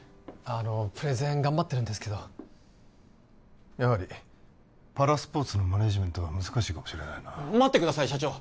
あのプレゼン頑張ってるんですけどやはりパラスポーツのマネージメントは難しいかもしれないな待ってください社長！